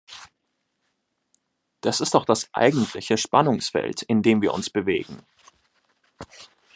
Das ist doch das eigentliche Spannungsfeld, in dem wir uns bewegen.